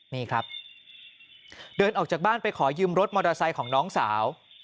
นี่ครับเดินออกจากบ้านไปขอยืมรถมอเตอร์ไซค์ของน้องสาว